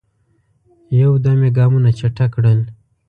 یو دم یې ګامونه چټک کړل.